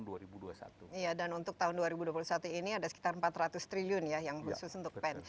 iya dan untuk tahun dua ribu dua puluh satu ini ada sekitar empat ratus triliun ya yang khusus untuk pen